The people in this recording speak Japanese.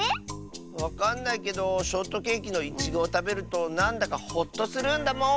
わかんないけどショートケーキのイチゴをたべるとなんだかほっとするんだもん！